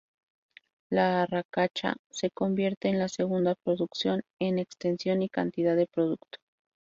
La arracacha, se convierte en la segunda producción en extensión y cantidad de producto.